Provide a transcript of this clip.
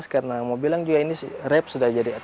karena mau bilang juga ini rap sudah jadi